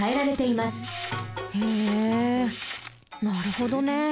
なるほどね。